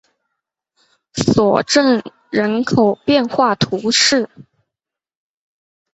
索镇人口变化图示